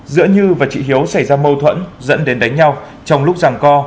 giữa như và chị hiếu xảy ra mâu thuẫn dẫn đến đánh nhau trong lúc giảng co